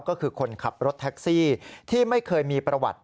ก็คือคนขับรถแท็กซี่ที่ไม่เคยมีประวัติ